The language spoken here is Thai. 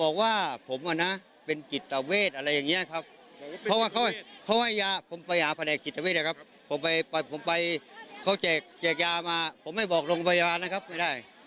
เขาเจ็กยามาผมไม่บอกลงพยาบาลนะครับไม่ได้